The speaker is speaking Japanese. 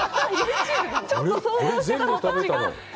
ちょっと想像してたのと違う。